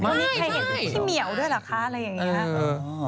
ไม่ไม่ใช่พี่เมียวด้วยเหรอคะอะไรอย่างนี้